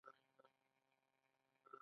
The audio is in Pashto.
آیا لاری ګانې مالونه نه وړي؟